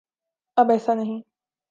اب ایسا نہیں۔